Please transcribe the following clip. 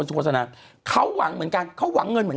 คุณหนุ่มกัญชัยได้เล่าใหญ่ใจความไปสักส่วนใหญ่แล้ว